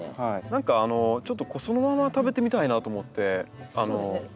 何かちょっとそのまま食べてみたいなと思ってこれを。